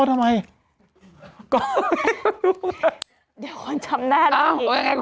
เดียวคนชำน่านมันอีก